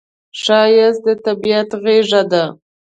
ښایست د طبیعت غېږه ده